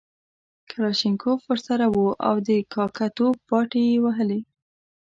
کلاشینکوف ورسره وو او د کاکه توب باټې یې وهلې.